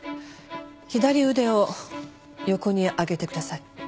左腕を横に上げてください。